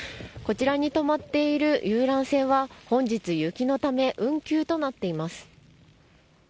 こちらに止まっている遊覧船は本日雪のため運休となっています。